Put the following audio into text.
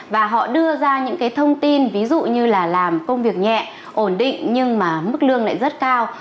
và họ đưa ra những cái thông tin ví dụ như là làm công việc nhẹ ổn định nhưng mà mức lương lại rất cao